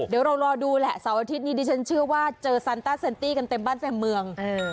เดี๋ยวเรารอดูแหละเสาร์อาทิตย์นี้ดิฉันเชื่อว่าเจอซันต้าเซนตี้กันเต็มบ้านเต็มเมือง